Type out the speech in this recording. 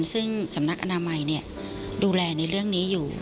ซึ่งสำนักอนามัยดูแลในเรื่องนี้อยู่